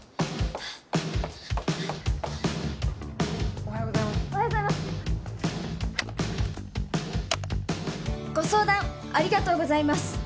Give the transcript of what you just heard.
おはようございますおはようございますご相談ありがとうございます